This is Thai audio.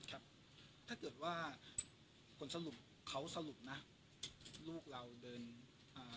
ครับถ้าเกิดว่าผลสรุปเขาสรุปนะลูกเราเดินอ่า